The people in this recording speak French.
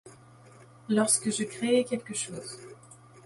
Lorque je crée quelque chose